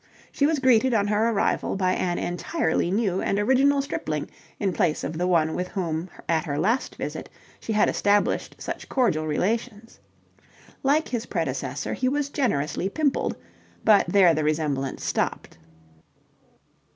She was greeted on her arrival by an entirely new and original stripling in the place of the one with whom at her last visit she had established such cordial relations. Like his predecessor he was generously pimpled, but there the resemblance stopped.